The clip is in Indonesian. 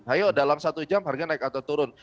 ayo dalam satu jam harga naik atau turun